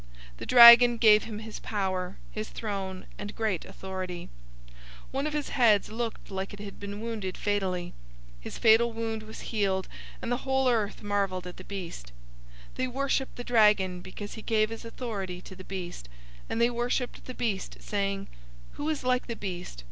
The dragon gave him his power, his throne, and great authority. 013:003 One of his heads looked like it had been wounded fatally. His fatal wound was healed, and the whole earth marveled at the beast. 013:004 They worshiped the dragon, because he gave his authority to the beast, and they worshiped the beast, saying, "Who is like the beast?